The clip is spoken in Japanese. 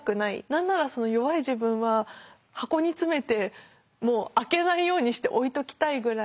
何ならその弱い自分は箱に詰めてもう開けないようにして置いときたいぐらい見たくなかった。